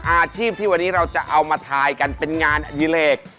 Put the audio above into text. อาชีพที่วันนี้เราจะเอามาทายกันเป็นงานอดิเลก